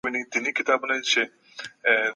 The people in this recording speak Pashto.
که ميرمن جوړه وي، نو خاوند له هغې څخه استمتاع کوي.